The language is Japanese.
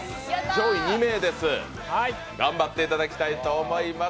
上位２名です、頑張っていただきたいと思います。